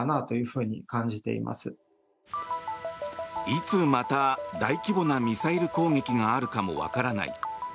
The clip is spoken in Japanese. いつまた大規模なミサイル攻撃があるかもわからない。